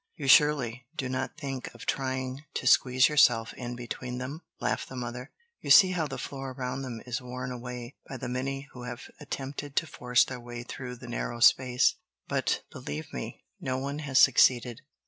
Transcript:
"You, surely, do not think of trying to squeeze yourself in between them?" laughed the mother. "You see how the floor around them is worn away by the many who have attempted to force their way through the narrow space; but, believe me, no one has succeeded.